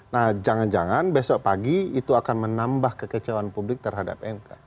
nah jangan jangan besok pagi itu akan menambah kekecewaan publik terhadap mk